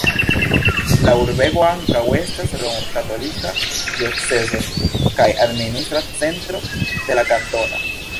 La urbego ankaŭ estas romkatolika diocezo kaj administra centro de la kantono.